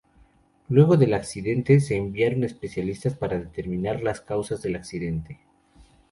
Luego del accidente se enviaron especialistas para determinar las causas del accidente.